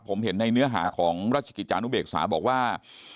ผมเห็นในเนื้อหาของราชกิจจานุเบกษาบอกว่า